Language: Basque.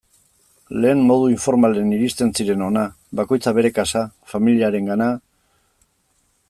Lehen modu informalean iristen ziren hona, bakoitza bere kasa, familiarengana...